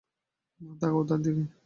তাকাও তার দিকে।